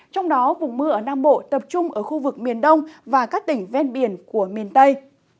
trong đó vùng mưa ở nam bộ tập trung ở khu vực miền đông và các tỉnh ven biển của miền tây